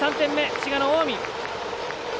滋賀の近江。